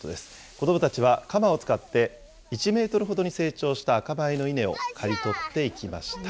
子どもたちは鎌を使って、１メートルほどに成長した赤米の稲を刈り取っていきました。